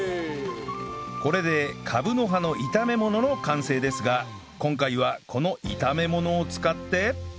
これでカブの葉の炒め物の完成ですが今回はこの炒め物を使って